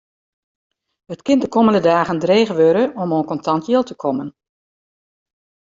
It kin de kommende dagen dreech wurde om oan kontant jild te kommen.